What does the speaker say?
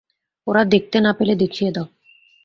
ওরা দেখতে না পেলে, দেখিয়ে দাও।